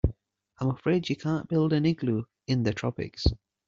I'm afraid you can't build an igloo in the tropics.